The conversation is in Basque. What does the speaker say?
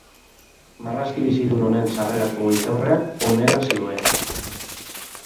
Marrazki bizidun honen sarrerako hitzaurreak honela zioen.